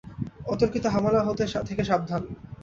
অতর্কিত হামলা থেকে সাবধান।